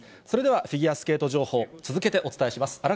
それではフィギュアスケート情報、続けてお伝えします。